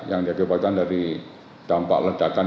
untuk attain bil pick up